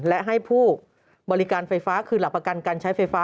และให้ผู้บริการไฟฟ้าคือหลักประกันการใช้ไฟฟ้า